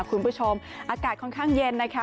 คุณผู้ชมอากาศค่อนข้างเย็นนะคะ